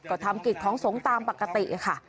ก็ทำกิจของสงฆ์ตามปกติค่ะ